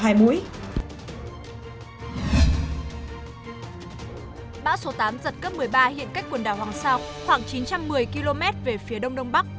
bão số tám giật cấp một mươi ba hiện cách quần đảo hoàng sa khoảng chín trăm một mươi km về phía đông đông bắc